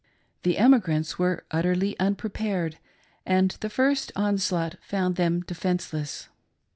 The emigrants were utterly unprepared, and the first onslaught found them defenceless.